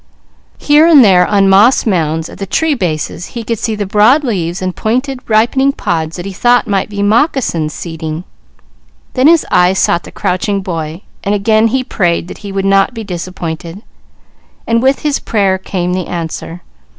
Here and there on moss mounds at the tree bases he could see the broad leaves and ripening pods that he thought must be moccasins seeding. Then his eye sought the crouching boy, and he again prayed that he would not be disappointed; with his prayer came the answer.